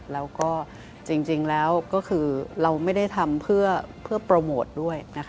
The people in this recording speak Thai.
แล้วก็จริงแล้วก็คือเราไม่ได้ทำเพื่อโปรโมทด้วย